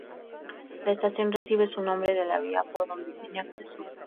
La estación recibe su nombre de la vía por donde tiene acceso.